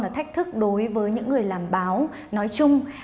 thách thức đối với những người làm báo nói chung